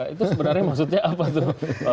itu sebenarnya maksudnya apa tuh